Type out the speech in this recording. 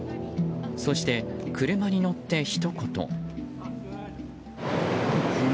そして、車に乗ってひと言。